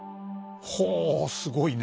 ほうすごいね！